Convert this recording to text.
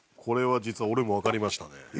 これは実は俺もわかりましたね。